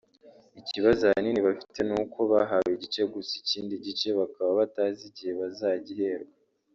Ikibazo ahanini bafite ni uko bahawe igice gusa ikindi gice bakaba batazi igihe bazagiherwa